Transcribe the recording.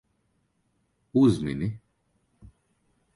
Uzmini.